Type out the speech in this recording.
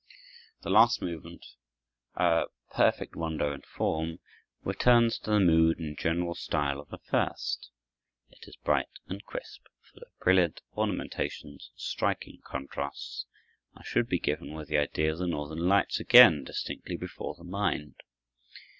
The last movement, a prefect rondo in form, returns to the mood and general style of the first. It is bright and crisp, full of brilliant ornamentations and striking contrasts, and should be given with the idea of the northern lights again distinctly before the mind.